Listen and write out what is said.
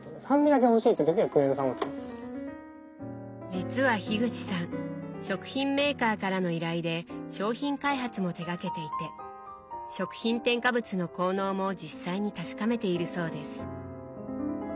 実は口さん食品メーカーからの依頼で商品開発も手がけていて食品添加物の効能も実際に確かめているそうです。